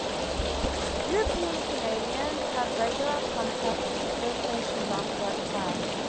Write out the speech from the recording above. European-Canadians had regular contact with the First Nations after that time.